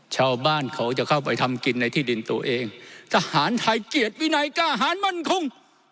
ชาวบ้านเขาจะเข้าไปทำกินในที่ดินตัวเองทหารไทยเกียรติวินัยกล้าหารมั่นคง